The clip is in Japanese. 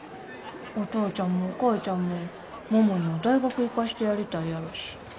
お父ちゃんもお母ちゃんも桃には大学行かしてやりたいやろし。